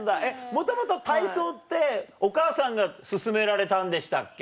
もともと体操ってお母さんが勧められたんでしたっけ？